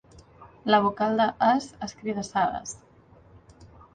La vocal de es escridassades.